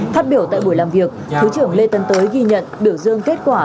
phát biểu tại buổi làm việc thứ trưởng lê tân tới ghi nhận biểu dương kết quả